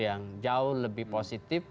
yang jauh lebih positif